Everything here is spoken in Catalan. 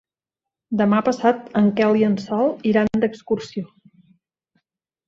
Demà passat en Quel i en Sol iran d'excursió.